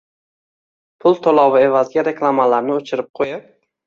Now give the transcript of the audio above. Pul to’lovi evaziga reklamalarni o’chirib qo’yib